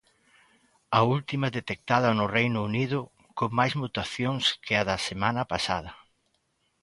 A última detectada no Reino Unido, con máis mutacións que a da semana pasada.